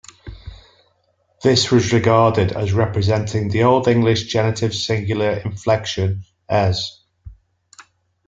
This was regarded as representing the Old English genitive singular inflection "-es".